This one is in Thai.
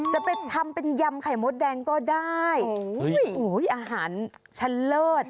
จะไปทำเป็นยำไข่มดแดงก็ได้โอ้ยอุ้ยอาหารชั้นเลิศ